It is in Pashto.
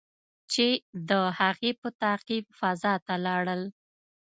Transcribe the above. چې د هغې په تعقیب فضا ته لاړل.